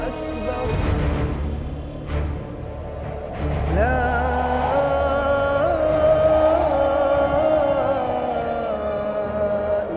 allah akbar allah akbar